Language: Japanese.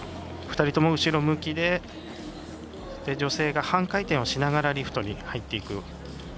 ２人とも後ろ向きで女性が半回転をしながらリフトに入っていく。